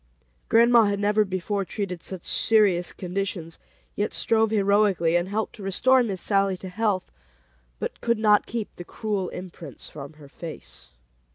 Grandma had never before treated such serious conditions, yet strove heroically, and helped to restore Miss Sallie to health, but could not keep the cruel imprints from her face.